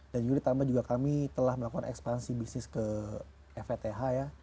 dan juga ditambah juga kami telah melakukan ekspansi bisnis ke ffth ya